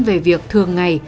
về việc thường ngày